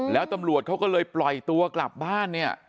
แล้วตำรวจเขาก็เลยปล่อยตัวกลับบ้านเนี่ย